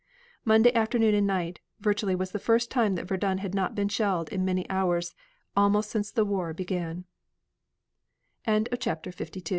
Monday afternoon and night virtually was the first time that Verdun had not been shelled in many hours almost since the war bega